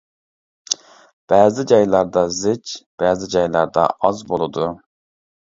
بەزى جايلاردا زىچ، بەزى جايلاردا ئاز بولىدۇ.